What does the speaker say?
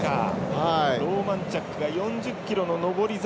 ローマンチャックが４０ｋｍの上り坂。